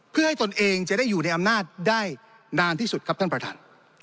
เพื่อให้ตนเองจะได้อยู่ในอำนาจได้นานที่สุดครับท่านประธาน